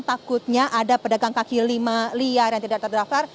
takutnya ada pedagang kaki lima liar yang tidak terdaftar